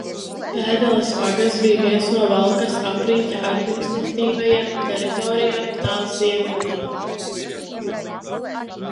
Pedeles pagasts bija viena no Valkas apriņķa administratīvajām teritorijām tā ziemeļdaļā.